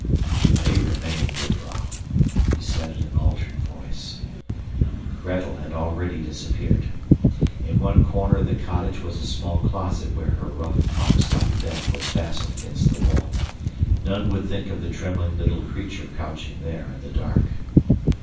"You may remain, jufvrouw," he said in an altered voice. Gretel had already disappeared. In one corner of the cottage was a small closet where her rough, boxlike bed was fastened against the wall. None would think of the trembling little creature crouching there in the dark.